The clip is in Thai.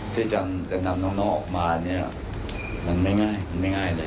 ที่จะนำน้องออกมาเนี่ยมันไม่ง่ายไม่ง่ายเลย